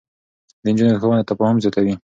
د نجونو ښوونه تفاهم زياتوي.